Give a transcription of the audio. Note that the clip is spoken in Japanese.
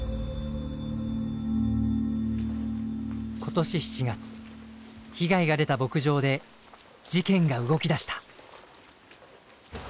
今年７月被害が出た牧場で事件が動き出した。